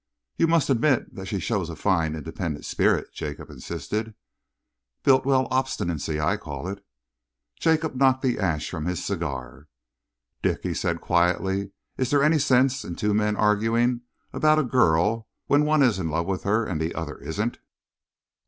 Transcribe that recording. "You must admit that she shows a fine, independent spirit," Jacob insisted. "Bultiwell obstinacy, I call it!" Jacob knocked the ash from his cigar. "Dick," he asked quietly, "is there any sense in two men arguing about a girl, when one is in love with her and the other isn't?"